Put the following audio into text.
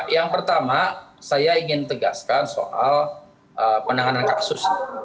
yang pertama saya ingin tegaskan soal penanganan kasus